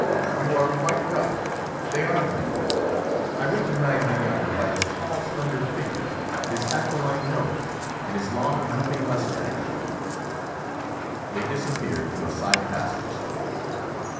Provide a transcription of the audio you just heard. "You are quite right: they are the men; I recognise the younger by his tall, slender figure, his aquiline nose, and his long, drooping moustache." They disappeared through a side passage.